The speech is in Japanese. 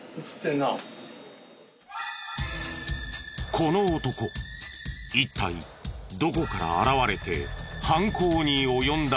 この男一体どこから現れて犯行に及んだのか？